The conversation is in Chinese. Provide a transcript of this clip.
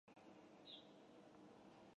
可在中横公路白沙桥附近远观白沙瀑布。